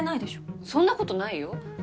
そんなことないよ。